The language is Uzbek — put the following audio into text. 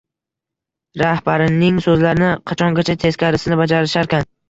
Rahbarining so‘zlarini qachongacha teskarisini bajarisharkan?!